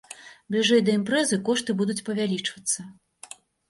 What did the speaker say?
Бліжэй да імпрэзы кошты будуць павялічвацца.